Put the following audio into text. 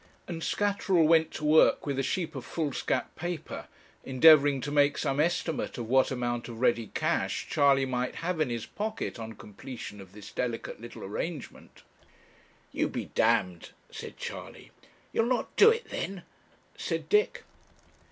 And Scatterall went to work with a sheet of foolscap paper, endeavouring to make some estimate of what amount of ready cash Charley might have in his pocket on completion of this delicate little arrangement. 'You be d ,' said Charley. 'You'll not do it, then?' said Dick.